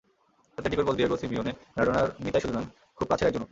অ্যাটলেটিকোর coach Diego Simeone ম্যারাডোনার মিতাই শুধু নন, খুব কাছের একজনও।